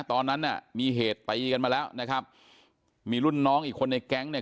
ตอนนั้นน่ะมีเหตุตีกันมาแล้วนะครับมีรุ่นน้องอีกคนในแก๊งเนี่ย